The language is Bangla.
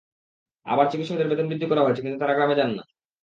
আবার চিকিৎসকদের বেতন বৃদ্ধি করা হয়েছে, কিন্তু তাঁরা গ্রামে যান না।